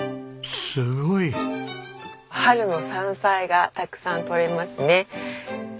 すごい！春の山菜がたくさん採れますね。